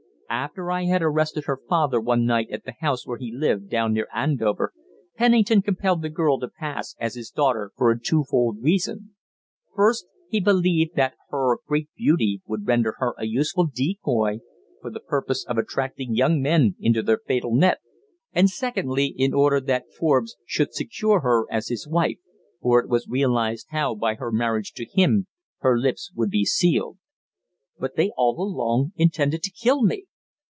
After I had arrested her father one night at the house where he lived down near Andover, Pennington compelled the girl to pass as his daughter for a twofold reason. First, because he believed that her great beauty would render her a useful decoy for the purpose of attracting young men into their fatal net, and secondly, in order that Forbes should secure her as his wife, for it was realized how, by her marriage to him, her lips would be sealed." "But they all along intended to kill me."